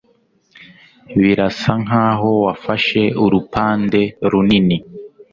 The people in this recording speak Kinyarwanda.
Birasa nkaho wafashe urupande runini.